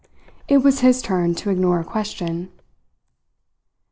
It was his turn to ignore a question.